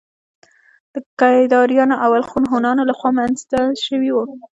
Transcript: د کيداريانو او الخون هونانو له خوا رامنځته شوي وو